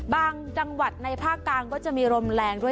บางจังหวัดในภาคกลางก็จะมีลมแรงด้วย